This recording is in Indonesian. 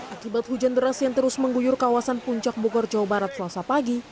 akibat hujan deras yang terus mengguyur kawasan puncak bogor jawa barat selasa pagi